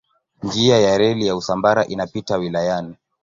Njia ya reli ya Usambara inapita wilayani.